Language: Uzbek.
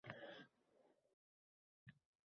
Botinkani nima qilaman?